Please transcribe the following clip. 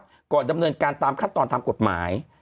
เมื่อก่อนดำเนินการตามบับคัดตอนตามกฎหมาย